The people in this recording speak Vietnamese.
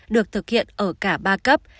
được thực hiện ở cả ba cấp